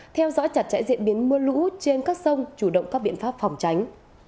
theo dõi chặt chẽ diễn biến mưa lũ trên các sông chủ động các biện pháp phòng tránh